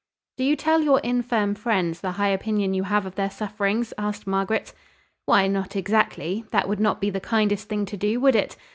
"Do you tell your infirm friends the high opinion you have of their sufferings?" asked Margaret. "Why, not exactly; that would not be the kindest thing to do, would it?